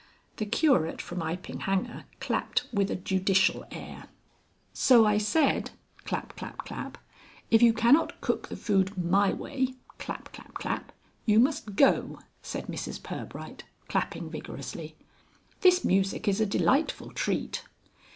The Curate from Iping Hanger clapped with a judicial air. "So I said (clap, clap, clap), if you cannot cook the food my way (clap, clap, clap) you must go," said Mrs Pirbright, clapping vigorously. "(This music is a delightful treat.)"